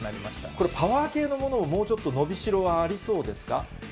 これ、パワー系のものを、もうちょっと伸びしろはありそうですか。